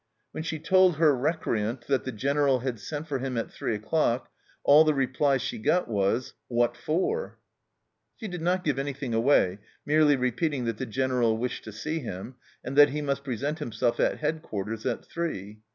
When she told her recreant that the General had sent for him at three o'clock, all the reply she got was, " What for ?" She did not give anything away, merely repeating that the General wished to see him, and that he must present himself at Headquarters at three.